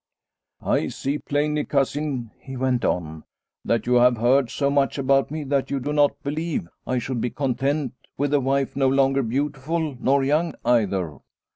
"I see plainly, Cousin," he went on, " that you have heard so much about me that you do not believe I should be content with a wife no longer beautiful nor young either.